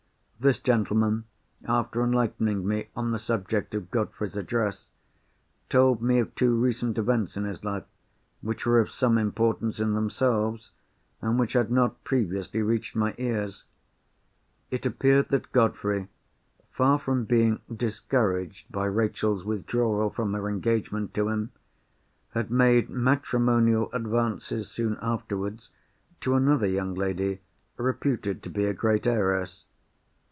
This gentleman, after enlightening me on the subject of Godfrey's address, told me of two recent events in his life, which were of some importance in themselves, and which had not previously reached my ears. It appeared that Godfrey, far from being discouraged by Rachel's withdrawal from her engagement to him had made matrimonial advances soon afterwards to another young lady, reputed to be a great heiress.